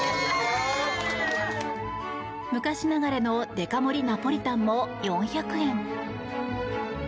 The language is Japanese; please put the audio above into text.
昔ながらのデカ盛りナポリタンも４００円。